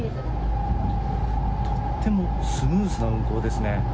とってもスムーズな運行ですね。